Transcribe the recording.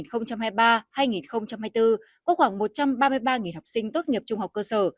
năm học hai nghìn hai mươi ba hai nghìn hai mươi bốn có khoảng một trăm ba mươi ba học sinh tốt nghiệp trung học cơ sở